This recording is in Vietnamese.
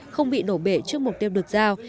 không bị đổ bể trước mục tiêu được giao